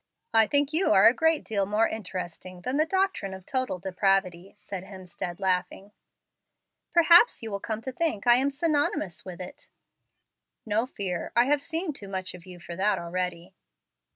"I think you are a great deal more interesting than the 'doctrine of total depravity,'" said Hemstead, laughing. "Perhaps you will come to think I am synonymous with it." "No fear. I have seen too much of you for that already."